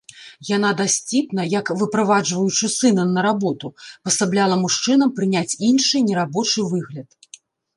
Яна дасціпна, як выправаджваючы сына на работу, пасабляла мужчынам прыняць іншы, не рабочы выгляд.